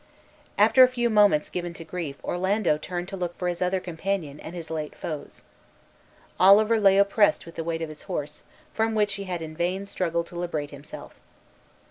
After a few moments given to grief Orlando turned to look for his other companion and his late foes. Oliver lay oppressed with the weight of his horse, from which he had in vain struggled to liberate himself.